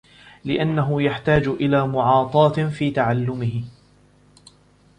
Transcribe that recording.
لِأَنَّهُ يَحْتَاجُ إلَى مُعَاطَاةٍ فِي تَعَلُّمِهِ